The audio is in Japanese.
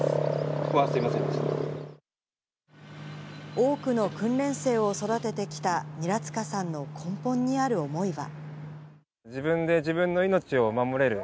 多くの訓練生を育ててきた韮塚さんの根本にある思いは。